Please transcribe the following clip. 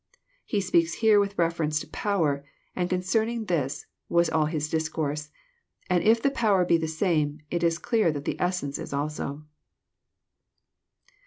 He speaks here with reference to power, for concerning this was all His discourse ; and if the power be the same. It is clear that the essence is also."